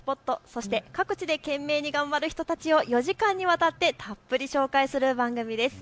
そして各地で懸命に頑張る人たちを４時間にわたってたっぷり紹介する番組です。